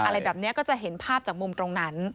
อะไรแบบนี้ก็จะเห็นภาพจากมุมตรงนั้น